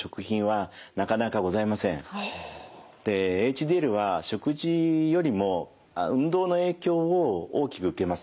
ＨＤＬは食事よりも運動の影響を大きく受けます。